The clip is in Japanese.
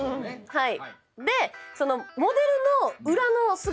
はい。